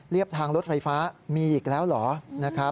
เรียบทางรถไฟฟ้ามีอีกแล้วเหรอ